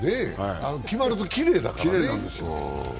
決まるときれいだからね。